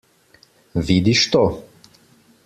Vidiš to?